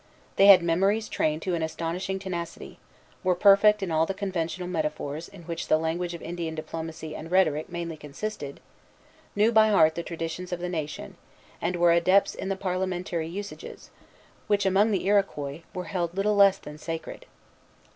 They had memories trained to an astonishing tenacity, were perfect in all the conventional metaphors in which the language of Indian diplomacy and rhetoric mainly consisted, knew by heart the traditions of the nation, and were adepts in the parliamentary usages, which, among the Iroquois, were held little less than sacred.